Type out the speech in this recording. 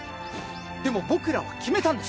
でも僕らは決めたんです。